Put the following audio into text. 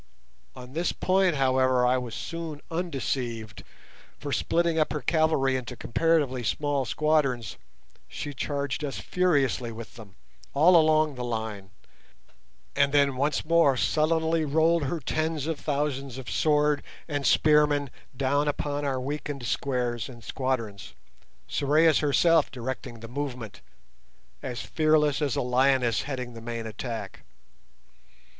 On this point, however, I was soon undeceived, for splitting up her cavalry into comparatively small squadrons, she charged us furiously with them, all along the line, and then once more sullenly rolled her tens of thousands of sword and spearmen down upon our weakened squares and squadrons; Sorais herself directing the movement, as fearless as a lioness heading the main attack.